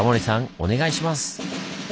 お願いします！